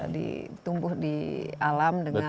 ditumbuh di alam